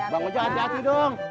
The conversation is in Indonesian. bang ujang hati hati dong